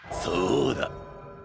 そうだ。